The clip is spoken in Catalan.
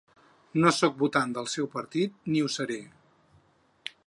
No sóc votant del seu partit, ni ho seré.